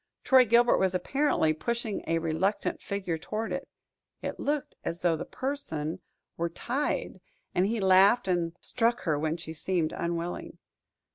Troy Gilbert was apparently pushing a reluctant figure toward it it looked as though the person were tied, and he laughed and struck her when she seemed unwilling.